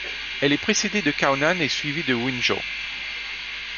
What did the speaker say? Elle est précédée de Kaunan et suivie de Wunjō.